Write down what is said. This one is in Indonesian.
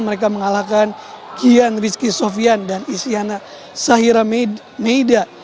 mereka mengalahkan kian rizky sofian dan isyana sahira meida